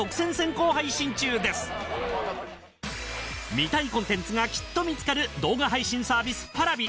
見たいコンテンツがきっと見つかる動画配信サービスＰａｒａｖｉ。